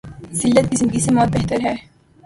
زلت کی زندگی سے موت بہتر ہے۔